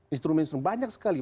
instrumen instrumen banyak sekali